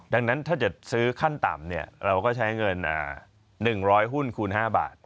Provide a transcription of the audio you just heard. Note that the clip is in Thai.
ดังนั้นถ้าจะซื้อขั้นต่ำเราก็ใช้เงิน๑๐๐หุ้นคูณ๕บาท